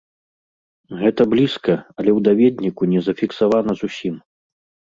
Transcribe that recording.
Гэта блізка, але ў даведніку не зафіксавана зусім.